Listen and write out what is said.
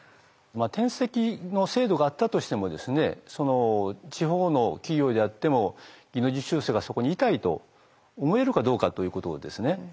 転籍の制度があったとしても地方の企業であっても技能実習生がそこにいたいと思えるかどうかということですね。